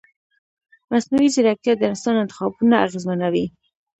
مصنوعي ځیرکتیا د انسان انتخابونه اغېزمنوي.